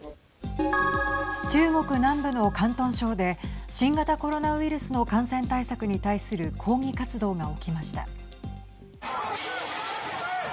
中国南部の広東省で新型コロナウイルスの感染対策に対する抗議活動が起きました。